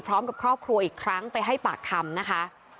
พร้อมกับครอบครัวอีกครั้งไปให้ปากคำนะคะ